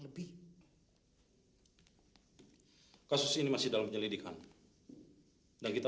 sekaligus memberi nama cucu kita